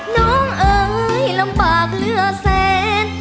น้องเอ๋ยลำบากเหลือแสน